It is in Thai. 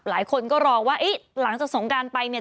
หลายคนก็รอว่าเอ๊ะหลังจากสงการไปเนี่ย